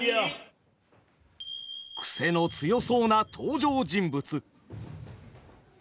クセの強そうな登場人物。